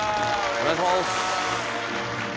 お願いします。